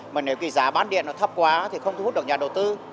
mà nếu cái giá bán điện nó thấp quá thì không thu hút được nhà đầu tư